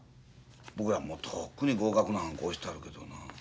僕はもうとっくに合格のはんこ押してあるけどな。